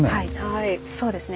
はいそうですね。